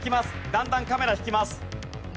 だんだんカメラ引きます。